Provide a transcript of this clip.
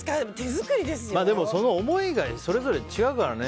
その思いがそれぞれ違うからね。